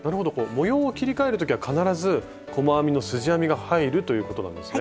模様を切りかえる時は必ず細編みのすじ編みが入るということなんですね。